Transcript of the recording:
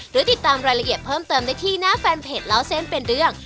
หรือติดตามรายละเอียดเพิ่มเติมได้ที่หน้าแฟนเพจเล่าเส้นเป็นเรื่อง